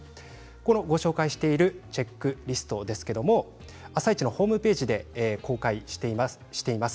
ご紹介しているチェックリストですけれども「あさイチ」のホームページで公開しています。